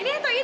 ini atau ini